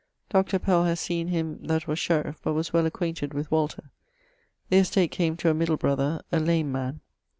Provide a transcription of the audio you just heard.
Dr. Pell haz seen him that was sheriff; but was well acquainted with Walter. The estate came to a middle brother, a lame man.